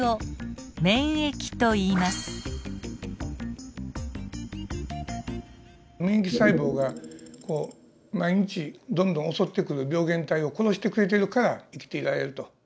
免疫細胞がこう毎日どんどん襲ってくる病原体を殺してくれてるから生きていられると。